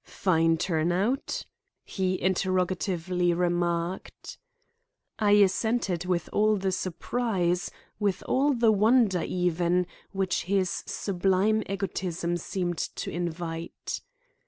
"Fine turnout?" he interrogatively remarked. I assented with all the surprise,—with all the wonder even—which his sublime egotism seemed to invite.